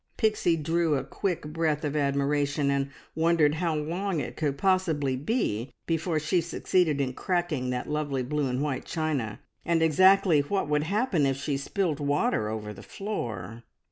Pixie drew a quick breath of admiration, and wondered how long it could possibly be before she succeeded in cracking that lovely blue and white china, and exactly what would happen if she spilt the water over the floor!